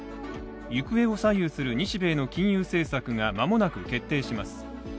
行方を左右する日米の金融政策が間もなく決定します。